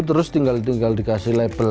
terus tinggal dikasih label